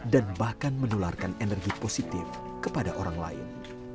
dan bahkan menularkan energi positif kepada orang lain